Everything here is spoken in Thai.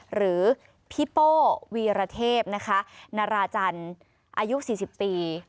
หรือพี่โป้วีรเทพนะคะนาราจันทร์อายุ๔๐ปี